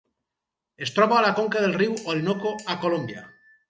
Es troba a la conca del riu Orinoco a Colòmbia.